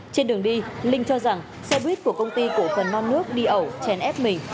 trên đường đi linh cho rằng xe buýt của công ty cổ phần non nước đi ẩu chèn ép mình